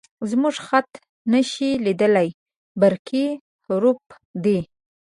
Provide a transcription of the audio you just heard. _زموږ خط نه شې لېدلی، برقي حروف دي